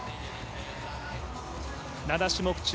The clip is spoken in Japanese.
７種目中